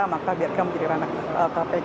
maka biarkan menjadi ranah kpk